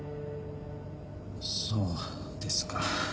そうですか